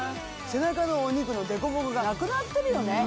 背中のお肉のデコボコがなくなってるよね。